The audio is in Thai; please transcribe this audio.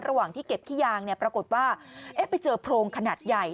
ระหว่างที่เก็บขี้ยางปรากฏว่าไปเจอโพรงขนาดใหญ่